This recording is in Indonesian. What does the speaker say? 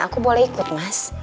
aku boleh ikut mas